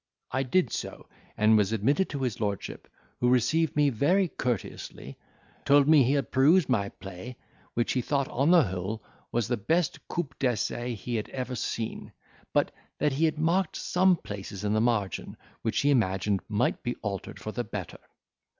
I did so, and was admitted to his lordship, who received me very courteously, told me he had perused my play, which he thought, on the whole, was the best coup d'essai he had ever seen; but that he had marked some places in the margin, which he imagined might be altered for the better.